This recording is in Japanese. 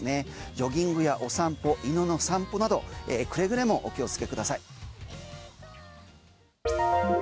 ジョギングやお散歩犬の散歩などくれぐれもお気をつけください。